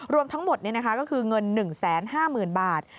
รวมทั้งหมดก็คือเงิน๑๕๐๐๐บาท